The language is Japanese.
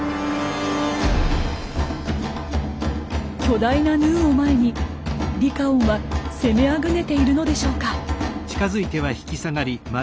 巨大なヌーを前にリカオンは攻めあぐねているのでしょうか？